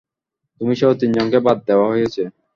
তুমিসহ তিনজনকে বাদ দেওয়া হয়েছে।